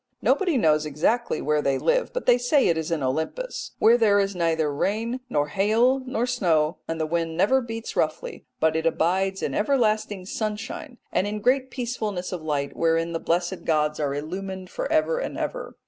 Nobody knows exactly where they live, but they say it is in Olympus, where there is neither rain nor hail nor snow, and the wind never beats roughly; but it abides in everlasting sunshine, and in great peacefulness of light wherein the blessed gods are illumined for ever and ever.